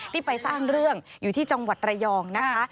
ไปสร้างเรื่องอยู่ที่จังหวัดระยองนะคะ